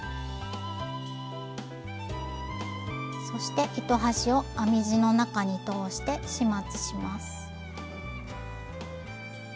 そして糸端を編み地の中に通して始末します。